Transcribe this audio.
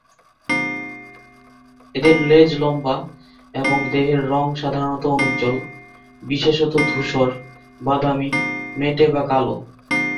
এদের লেজ লম্বা এবং দেহের রঙ সাধারণত অনুজ্জ্বল, বিশেষত ধূসর, বাদামি, মেটে বা কালো।